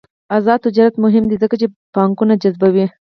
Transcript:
آزاد تجارت مهم دی ځکه چې پانګونه جذبوي.